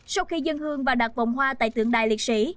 sau khi dân hương và đặt vòng hoa tại tượng đài liệt sĩ